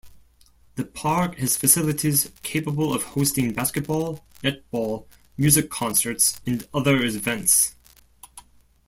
The park has facilities capable of hosting basketball, netball, music concerts and other events.